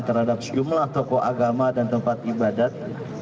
terhadap sejumlah tokoh agama dan tempat ibadat